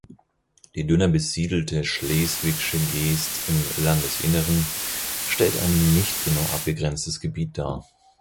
Die dünner besiedelte Schleswigsche Geest im Landesinneren stellt ein nicht genau abgegrenztes Gebiet dar.